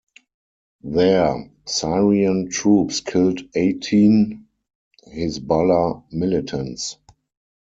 There, Syrian troops killed eighteen Hizballah militants.